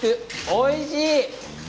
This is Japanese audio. おいしい！